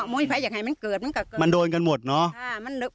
โม้ยภัยอย่างไรมันเกิดมันกะเกิดมันโดนกันหมดเนอะค่ะมัน